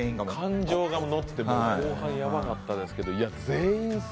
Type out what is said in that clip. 感情が乗って後半やばかったですけど。